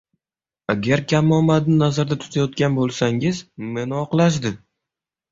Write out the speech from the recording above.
Agar kamomadni nazarda tutayotgan bo`lsangiz, meni oqlashdi